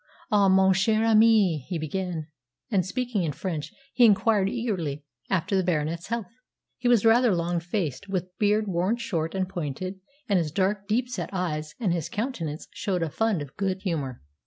"Ah, mon cher ami!" he began; and, speaking in French, he inquired eagerly after the Baronet's health. He was rather long faced, with beard worn short and pointed, and his dark, deep set eyes and his countenance showed a fund of good humour.